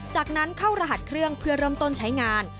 จากนั้นเข้ารหัสเครื่องเพื่อเริ่มต้นใช้งาน